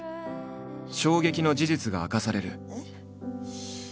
衝撃の事実が明かされる。